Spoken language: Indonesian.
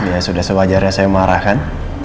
ya sudah sewajarnya saya marah kan